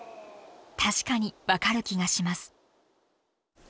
確かに分かる気がします。